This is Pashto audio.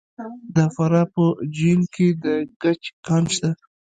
د فراه په جوین کې د ګچ کان شته.